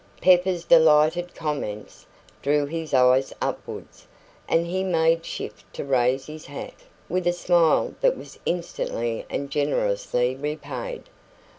Pepper's delighted comments drew his eyes upwards, and he made shift to raise his hat, with a smile that was instantly and generously repaid.